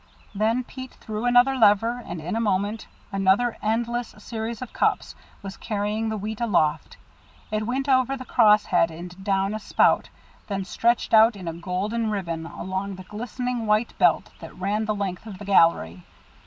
Then Pete threw another lever, and in a moment another endless series of cups was carrying the wheat aloft. It went over the cross head and down a spout, then stretched out in a golden ribbon along the glistening white belt that ran the length of the gallery.